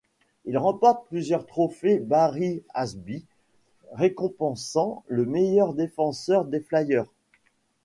Il remporte plusieurs trophées Barry Ashbee, récompensant le meilleur défenseur des Flyers.